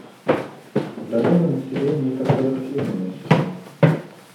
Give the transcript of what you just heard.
Здоровое население — это продуктивное население.